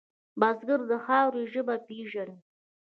بزګر د خاورې ژبه پېژني